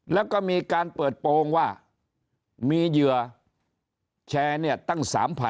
แล้วก็มีการเปิดโปรงว่ามีเหยื่อแชร์เนี่ยตั้ง๓๐๐๐